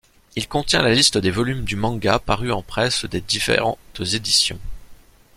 Il contient la liste des volumes du manga parus en presse des différentes éditions.